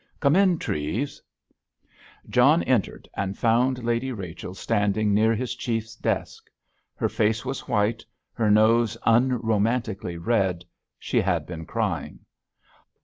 "Come in, Treves." John entered and found Lady Rachel standing near his Chief's desk. Her face was white, her nose unromantically red; she had been crying.